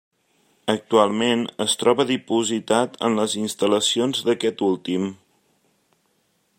Actualment es troba dipositat en les instal·lacions d'aquest últim.